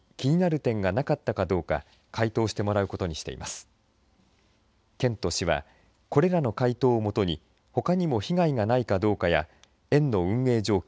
県と市は、これらの回答をもとにほかにも被害がないかどうかや園の運営状況